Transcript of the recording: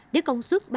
với công suất